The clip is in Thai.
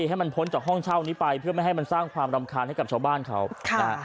ให้มันพ้นจากห้องเช่านี้ไปเพื่อไม่ให้มันสร้างความรำคาญให้กับชาวบ้านเขาค่ะนะฮะ